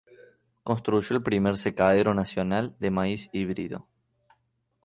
Construyó el primer secadero nacional de maíz híbrido.